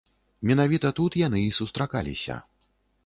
Менавіта тут яны і сустракаліся.